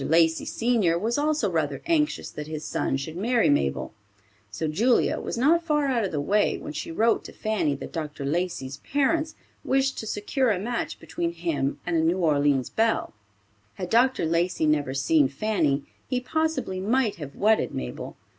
Lacey senior was also rather anxious that his son should marry Mabel; so Julia was not far out of the way when she wrote to Fanny that Dr. Lacey's parents wished to secure a match between him and a New Orleans belle. Had Dr. Lacey never seen Fanny, he possibly might have wedded Mabel.